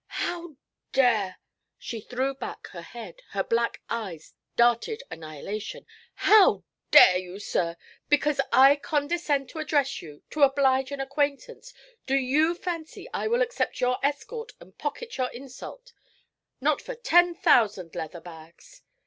'How dare' she threw back her head, and her black eyes darted annihilation 'how dare you, sir! Because I condescend to address you, to oblige an acquaintance, do you fancy I will accept your escort and pocket your insult? Not for ten thousand leather bags!'